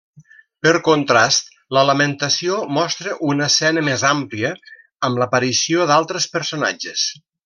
Per contrast la lamentació mostra una escena més àmplia amb l'aparició d'altres personatges.